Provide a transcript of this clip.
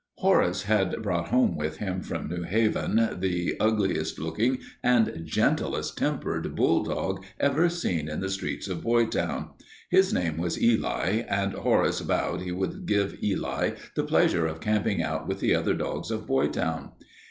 Horace had brought home with him from New Haven the ugliest looking and gentlest tempered bulldog ever seen in the streets of Boytown. His name was Eli and Horace vowed he would give Eli the pleasure of camping out with the other dogs of Boytown.